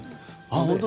本当？